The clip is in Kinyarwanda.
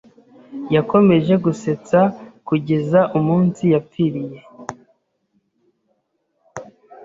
Yakomeje gusetsa kugeza umunsi yapfiriye.